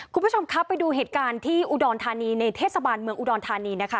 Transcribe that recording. คุณผู้ชมครับไปดูเหตุการณ์ที่อุดรธานีในเทศบาลเมืองอุดรธานีนะคะ